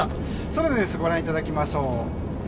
外の様子ご覧いただきましょう。